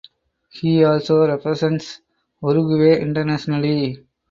He also represents Uruguay internationally.